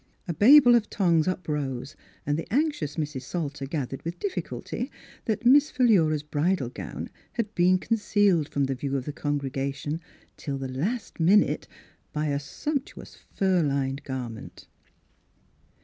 A babel of tongues uprose, and the anxious Mrs. Salter gathered with diffi culty that Miss Philura's bridal gown had been concealed from the view of the con gregation, " till the last minute," by a sumptuous fur lined garment.